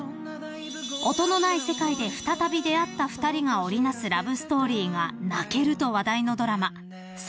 ［音のない世界で再び出会った２人が織りなすラブストーリーが泣けると話題のドラマ『ｓｉｌｅｎｔ』］